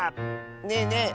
ねえねえ！